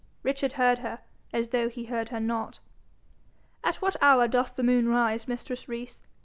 Richard heard her as though he heard her not. 'At what hour doth the moon rise, mistress Rees?'